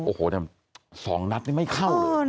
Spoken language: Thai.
โอ้โหเนี่ยสองนับไม่เข้าเลย